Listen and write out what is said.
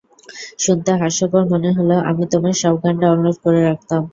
শুনতে হাস্যকর মনে হলেও আমি তোমার সব গান ডাউনলোড করে রাখতাম।